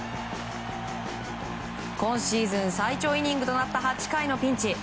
今シーズン最長イニングとなった８回のピンチ。